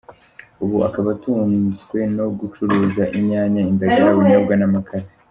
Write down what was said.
Ubu akaba atunzwe no gucuruza I nyanya, indagara, ubunyobwa n’amakara.